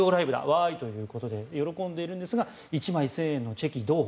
わーいということで喜んでいるんですが１枚１０００円のチェキどう？